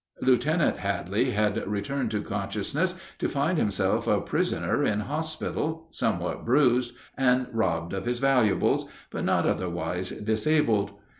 Lieutenant Hadley had returned to consciousness to find himself a prisoner in hospital, somewhat bruised, and robbed of his valuables, but not otherwise disabled.